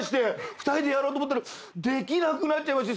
２人でやろうと思ったのできなくなっちゃいまして。